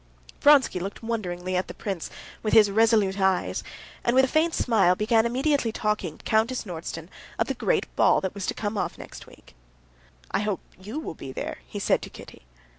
Vronsky looked wonderingly at the prince with his resolute eyes, and, with a faint smile, began immediately talking to Countess Nordston of the great ball that was to come off next week. "I hope you will be there?" he said to Kitty.